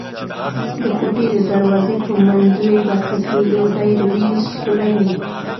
د کوټې د دروازې په منځوۍ برخه کې یو دایروي سوری و.